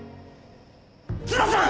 津田さん